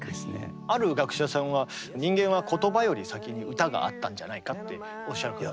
ある学者さんは人間は言葉より先に歌があったんじゃないかっておっしゃる方も。